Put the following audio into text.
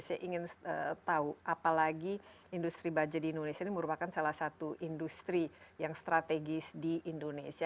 saya ingin tahu apalagi industri baja di indonesia ini merupakan salah satu industri yang strategis di indonesia